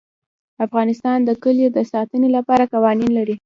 افغانستان د کلیو د ساتنې لپاره قوانین لري.